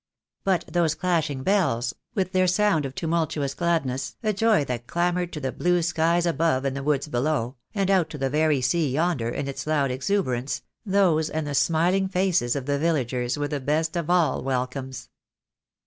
But those clashing bells, with their sound of tumultuous gladness, a joy that clamoured to the blue skies above and the woods below, and out to the very sea yonder, in its loud exuberance, those and the smiling faces of the villagers were the best of all welcomes.